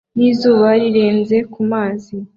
Nizuba rirenze kumazi